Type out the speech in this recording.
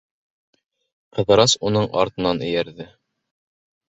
Ҡыҙырас уның артынан эйәрҙе.